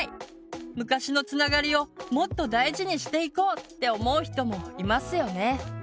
昔のつながりをもっと大事にしていこうって思う人もいますよね。